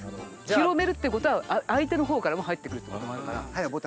広めるってことは相手のほうからも入ってくるってことだから。